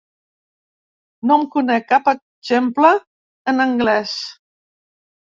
No en conec cap exemple en anglès.